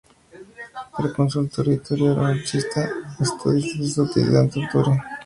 Era consultor editorial de Anarchist Studies y de Society and Nature.